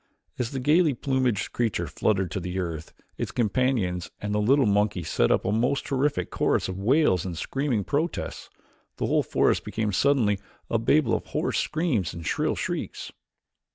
As the gaily plumaged creature fluttered to earth its companions and the little monkeys set up a most terrific chorus of wails and screaming protests. The whole forest became suddenly a babel of hoarse screams and shrill shrieks.